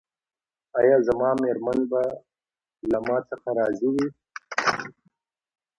ایا زما میرمن به له ما څخه راضي وي؟